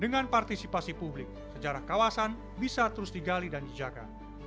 dengan partisipasi publik sejarah kawasan bisa terus digali dan dijaga